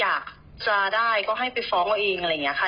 อยากจะได้ก็ให้ไปฟ้องเอาเองอะไรอย่างนี้ค่ะ